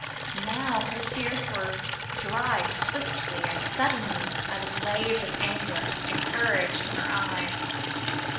Now her tears were dried swiftly and suddenly by the blaze of anger and courage in her eyes.